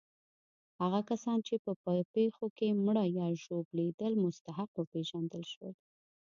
هغه کسان چې په پېښو کې مړه یا ژوبلېدل مستحق وپېژندل شول.